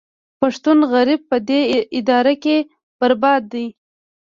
پښتون غریب په دې اداره کې برباد دی